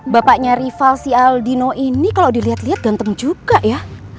bapaknya rival si aldino ini kalo diliat liat ganteng juga ya